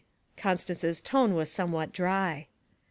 Constance's tone was somewhat dry.